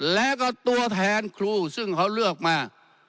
แล้วก็ตัวแทนครูซึ่งเขาเลือกมา